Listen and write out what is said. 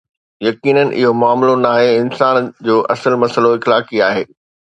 يقينن، اهو معاملو ناهي، انسان جو اصل مسئلو اخلاقي آهي.